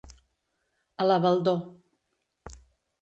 A la baldor.